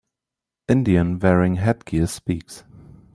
Indian wearing headgear speaks